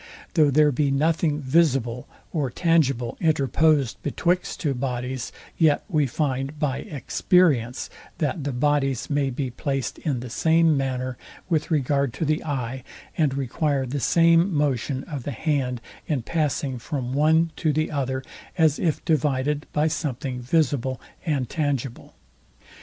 Though there be nothing visible or tangible interposed betwixt two bodies, yet we find BY EXPERIENCE, that the bodies may be placed in the same manner, with regard to the eye, and require the same motion of the hand in passing from one to the other, as if divided by something visible and tangible.